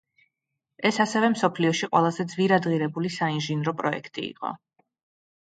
ეს ასევე მსოფლიოში ყველაზე ძვირადღირებული საინჟინრო პროექტი იყო.